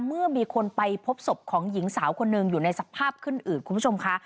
เมื่อมีคนไปพบศพของหญิงสาวคนหนึ่งอยู่ในสภาพขึ้นอืดคุณผู้ชมค่ะ